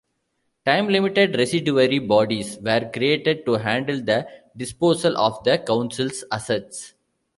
Time-limited residuary bodies were created to handle the disposal of the councils' assets.